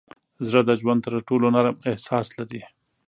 زړه د ژوند تر ټولو نرم احساس لري.